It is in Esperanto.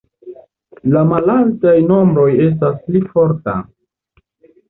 La malaltaj nombroj estas pli forta.